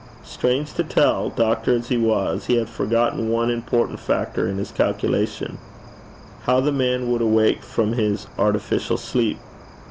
Strange to tell, doctor as he was, he had forgotten one important factor in his calculation: how the man would awake from his artificial sleep.